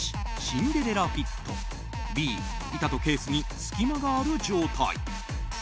シンデレラフィットＢ、板とケースに隙間がある状態。